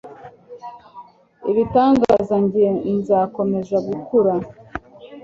igitangaza njye nzakomeza gukura